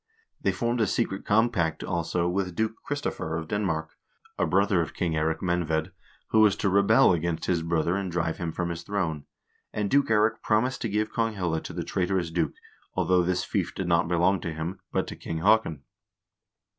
They formed a secret compact, also, with Duke Kristoffer of Denmark, a brother of King Eirik Menved, who was to rebel against his brother and drive him from his throne, and Duke Eirik promised to give Konghelle to the trait orous duke, although this fief did not belong to him, but to King Haakon.